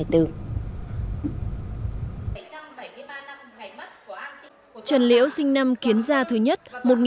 trần liễu sinh năm kiến gia thứ nhất một nghìn hai trăm một mươi một